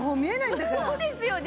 そうですよね！